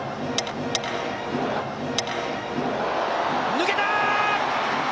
抜けた！